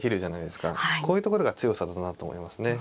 こういうところが強さだなと思いますね。